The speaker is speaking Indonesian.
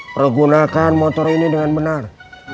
pergunakan motor ini dengan benar